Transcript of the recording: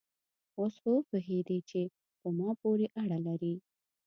اوس خو وپوهېدې چې په ما پورې اړه لري؟